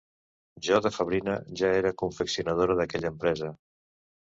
Jo de fadrina ja era confeccionadora d’aquella empresa.